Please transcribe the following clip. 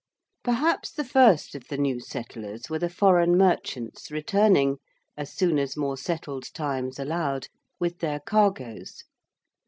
Perhaps the first of the new settlers were the foreign merchants returning, as soon as more settled times allowed, with their cargoes.